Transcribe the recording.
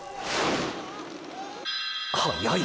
速い！！